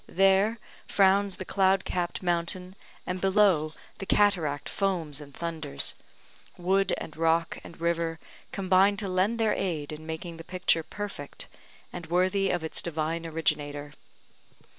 There frowns the cloud capped mountain, and below, the cataract foams and thunders; wood, and rock, and river combine to lend their aid in making the picture perfect, and worthy of its Divine Originator.